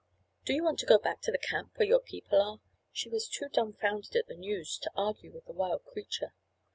"Do you want to go back to the camp where your people are?" She was too dumfounded at the news to argue with the wild creature.